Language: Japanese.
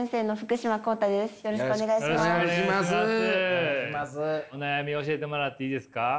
お悩み教えてもらっていいですか？